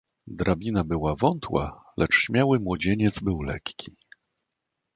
"Drabina była wątła, lecz śmiały młodzieniec był lekki."